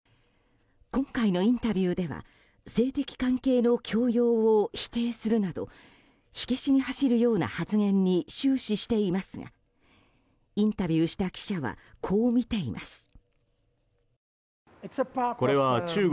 今回のインタビューでは性的関係の強要を否定するなど火消しに走るような発言に終始していますがインタビューした記者はこう見ています。